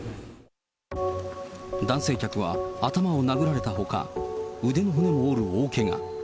男性客は頭を殴られたほか、腕の骨を折る大けが。